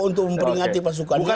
untuk memperingati pasukannya